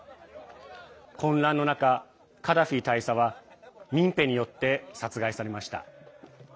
混乱の中、カダフィ大佐は民兵によって殺害されました。